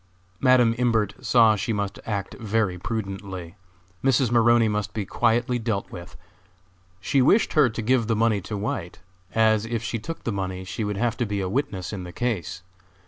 Madam Imbert saw she must act very prudently. Mrs. Maroney must be quietly dealt with. She wished her to give the money to White, as if she took the money she would have to be a witness in the case.